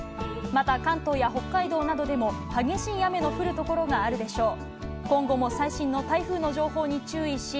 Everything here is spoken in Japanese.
また関東や北海道などでも激しい雨の降る所があるでしょう。